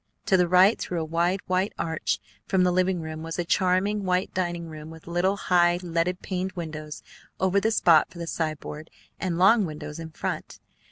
To the right through a wide white arch from the living room was a charming white dining room with little, high, leaded paned windows over the spot for the sideboard and long windows in front.